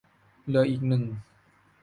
เหลืออีกหนึ่ง